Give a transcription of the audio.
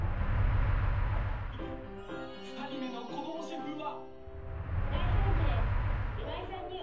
２人目の子供シェフは。